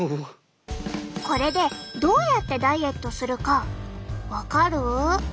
これでどうやってダイエットするか分かる？